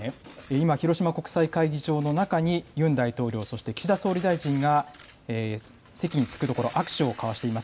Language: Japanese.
今、広島国際会議場の中にユン大統領、そして岸田総理大臣が席につくところ、握手を交わしています。